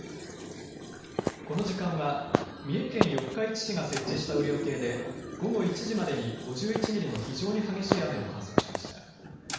この時間は三重県四日市市が設置した雨量計で午後１時までに５１ミリの非常に激しい雨を観測しました。